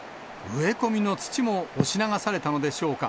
植え込みの土も押し流されたのでしょうか。